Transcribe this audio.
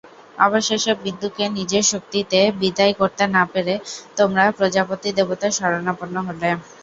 অবশেষে বিন্দুকে নিজের শক্তিতে বিদায় করতে না পেরে তোমরা প্রজাপতি দেবতার শরণাপন্ন হলে।